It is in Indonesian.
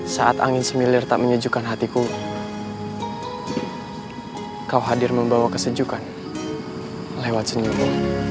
saat angin semilir tak menyejukkan hatiku kau hadir membawa kesejukan lewat senyummu